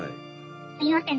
すみません。